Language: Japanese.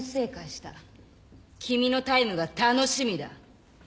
君のタイムが楽しみだ。